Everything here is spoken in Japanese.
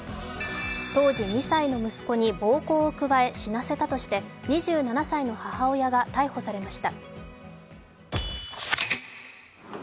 当時２歳の息子に暴行を加え死なせたとして、２７歳の母親が逮捕されました。